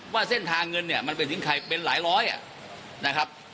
ว่าเส้นทางเงินเนี่ยมันไปถึงใครเป็นหลายร้อยนะครับ